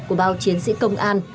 của bao chiến sĩ công an